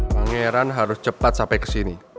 pangeran harus cepat sampai kesini